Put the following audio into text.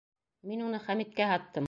Мин уны Хәмиткә һаттым!